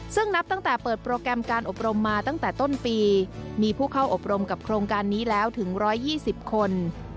ซึ่งนับตั้งแต่เปิดโปรแกรมการอบรมมาตั้งแต่ต้นปีมีผู้เข้าอบรมกับโครงการนี้แล้วถึง๑๒๐คน